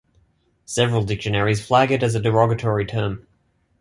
Several dictionaries flag it as a derogatory term.